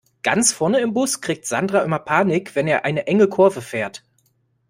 Ganz vorne im Bus kriegt Sandra immer Panik, wenn er eine enge Kurve fährt.